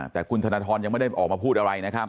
แต่คุณธนทรยังไม่ได้ออกมาพูดอะไรนะครับ